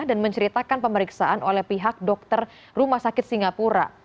dan menceritakan pemeriksaan oleh pihak dokter rumah sakit singapura